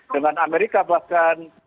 dengan amerika bahkan